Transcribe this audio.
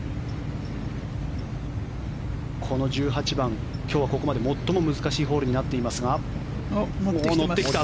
この１８番、今日はここまで最も難しいホールになってきていますが持ってきた。